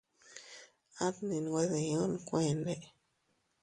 A ndi nwe diun kuende.